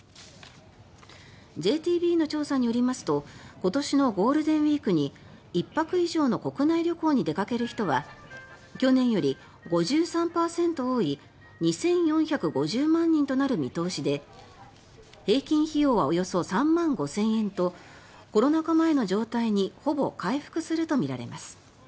ＪＴＢの調査によりますと今年のゴールデンウィークに１泊以上の国内旅行に出かける人は去年より５３％多い２４５０万人となる見通しで平均費用はおよそ３万５０００円とコロナ禍前の状態にほぼ回復するとみられます。